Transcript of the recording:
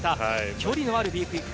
距離のあるＢクイック。